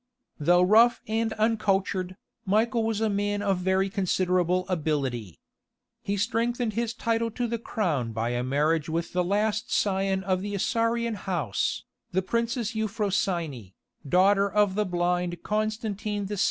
Though rough and uncultured, Michael was a man of very considerable ability. He strengthened his title to the crown by a marriage with the last scion of the Isaurian house, the princess Euphrosyne, daughter of the blind Constantine VI.